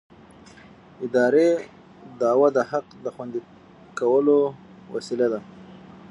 اداري دعوه د حق د خوندي کولو وسیله ده.